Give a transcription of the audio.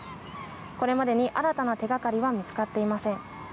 これまでに新たな手掛かりは見つかっていません。